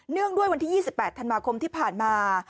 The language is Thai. ด้วยวันที่๒๘ธันวาคมที่ผ่านมา